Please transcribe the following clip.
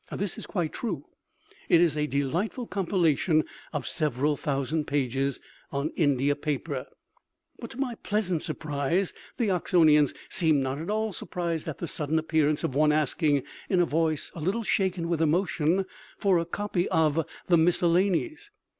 This is quite true. It is a delightful compilation of several thousand pages, on India paper. But to my pleasant surprise the Oxonians seemed not at all surprised at the sudden appearance of one asking, in a voice a little shaken with emotion, for a copy of the "Miscellanies."